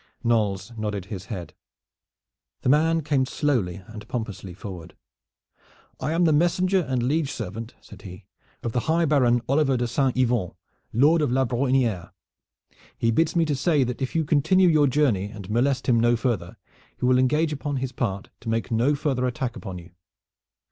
Knolles nodded his head. The man came slowly and pompously forward. "I am the messenger and liege servant," said he, "of the high baron, Oliver de St. Yvon, Lord of La Brohiniere. He bids me to say that if you continue your journey and molest him no further he will engage upon his part to make no further attack upon you.